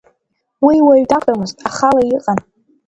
Уи уаҩ дақәтәамызт, ахала иҟан.